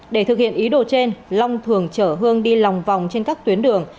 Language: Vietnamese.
để thực hiện ý đồ trên long thường chở hương đi lòng vòng trên các tuyến đường